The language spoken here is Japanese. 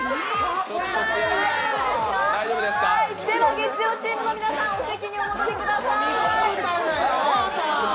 月曜チームの皆さん、お席にお戻りください。